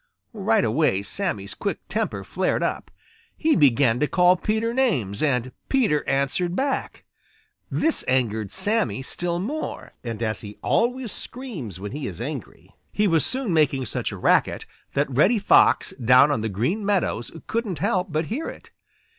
Right away Sammy's quick temper flared up. He began to call Peter names, and Peter answered back. This angered Sammy still more, and as he always screams when he is angry, he was soon making such a racket that Reddy Fox down on the Green Meadows couldn't help but hear it.